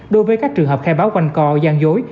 đối với các trường hợp khai báo quanh co gian dối